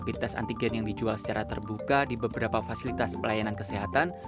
dan rapintas antigen yang dijual secara terbuka di beberapa fasilitas pelayanan kesehatan